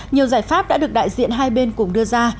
nhiều giải pháp đã được đại diện hai bên cùng đưa ra